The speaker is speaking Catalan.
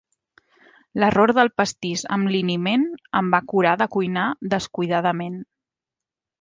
L'error del pastís amb liniment em va curar de cuinar descuidadament.